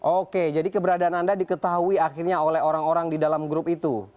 oke jadi keberadaan anda diketahui akhirnya oleh orang orang di dalam grup itu